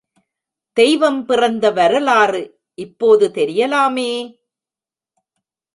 தெய்வம் பிறந்த வரலாறு இப்போது தெரியலாமே!